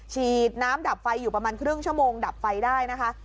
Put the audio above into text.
ฉีดน้ำดับไฟอยู่ประมาณครึ่งชั่วโมงดับไฟได้นะคะ